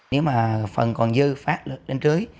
nếu mà phần còn dư phát lên trưới